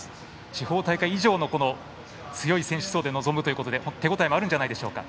地方大会以上の強い選手層で臨むということで手応えもあるんじゃないでしょうか。